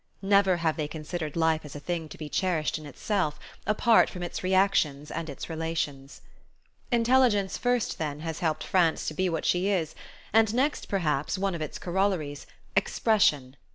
Never have they considered life as a thing to be cherished in itself, apart from its reactions and its relations. Intelligence first, then, has helped France to be what she is; and next, perhaps, one of its corollaries, expression.